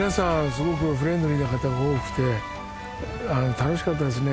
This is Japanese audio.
すごくフレンドリーな方が多くて楽しかったですね。